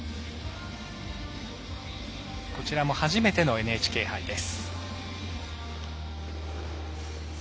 こちらもはじめてのＮＨＫ杯です。